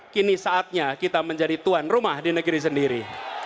kini saatnya kita menjadi tuan rumah di negeri sendiri